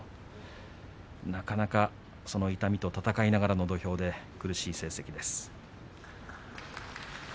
なかなか、その痛みと闘いながらの土俵で苦しい成績です。